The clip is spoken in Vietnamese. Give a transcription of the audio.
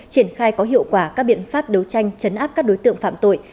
triển khai có hiệu quả các biện pháp đấu tranh chấn áp các đối tượng phạm tội